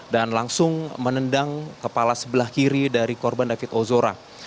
dan langsung menendang kepala sebelah kiri dari korban david ozora